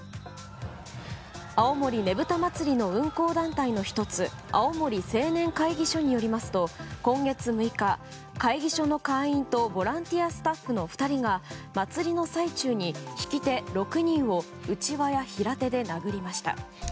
青森ねぶた祭の運行団体の１つ青森青年会議所によりますと今月６日、会議所の会員とボランティアスタッフの２人が祭りの最中に、ひき手６人をうちわや平手で殴りました。